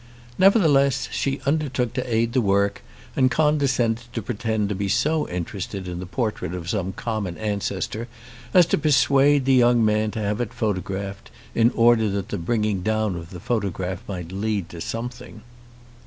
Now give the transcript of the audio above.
Nevertheless she undertook to aid the work, and condescended to pretend to be so interested in the portrait of some common ancestor as to persuade the young man to have it photographed, in order that the bringing down of the photograph might lead to something.